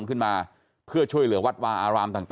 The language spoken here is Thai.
ขึ้นมาเพื่อช่วยเหลือวัดวาอารามต่าง